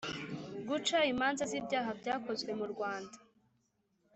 guca imanza z'ibyaha byakozwe mu rwanda